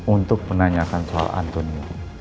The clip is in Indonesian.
untuk penanyakan soal antonia